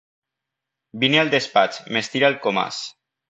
Vine al despatx —m'estira el Comas.